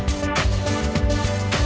f gpu dari aku